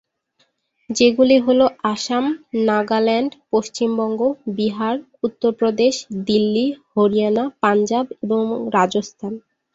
যেগুলি হলো আসাম, নাগাল্যান্ড, পশ্চিমবঙ্গ, বিহার, উত্তরপ্রদেশ, দিল্লী, হরিয়ানা, পাঞ্জাব এবং রাজস্থান।